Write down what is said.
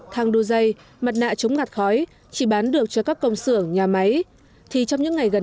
thang đu dây mặt nạ chống ngạt khói chỉ bán được cho các công xưởng nhà máy thì trong những ngày gần